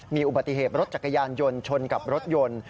มีอุบัติเหตุรถจักรยานยนต์ชนกับรถยนต์